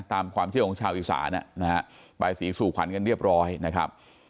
ตามความเชื่อของชาวอีสานนะฮะบายสีสู่ขวัญกันเรียบร้อยนะครับ